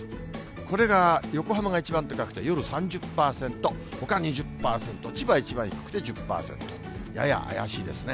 これが横浜が一番高くて、夜３０％、ほか２０％、千葉は一番低くて１０％、やや怪しいですね。